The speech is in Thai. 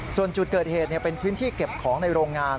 ส่วนจุดเกิดเหตุเป็นพื้นที่เก็บของในโรงงาน